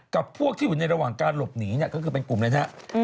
กับพวกที่อยู่ในระหว่างการหลบหนีเนี่ยก็คือเป็นกลุ่มเลยนะครับ